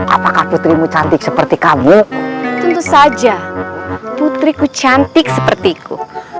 apakah putrimu cantik seperti kamu tentu saja putriku cantik sepertiku